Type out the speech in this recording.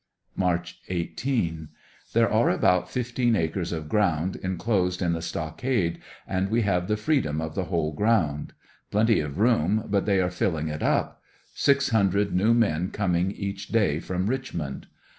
March 18. — There are about fifteen acres of ground enclosed in the stockade and we have'the freedom of the whole ground. Plen ty of room, but the}^ are filling it up. Six hundred new men com ing each day from Richmond.